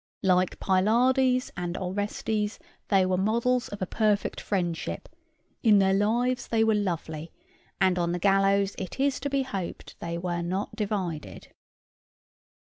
Like Pylades and Orestes, they were models of a perfect friendship: in their lives they were lovely, and on the gallows, it is to be hoped, they were not divided.